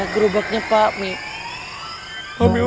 gerobaknya pak mi